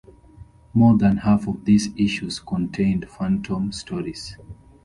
More than half of these issues contained Phantom stories.